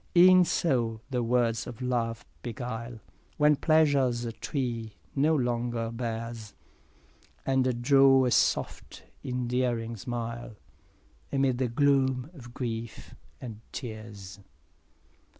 6 E'en so the words of love beguile, When pleasure's tree no longer bears, And draw a soft endearing smile, Amid the gloom of grief and tears.